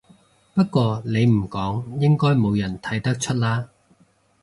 不過你唔講應該冇人睇得出啦